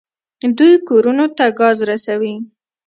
دوی کورونو ته ګاز رسوي.